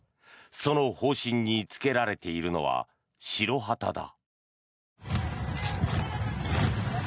その砲身につけられているのは白旗だ。